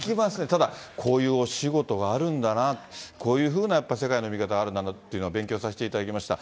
ただ、こういうお仕事があるんだな、こういうふうなやっぱり世界の見方、あるんだなっていうのは勉強させていただきました。